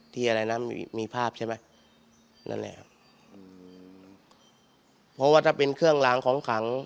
อะไรนะมีภาพใช่ไหมนั่นแหละครับอืมเพราะว่าถ้าเป็นเครื่องล้างของขัง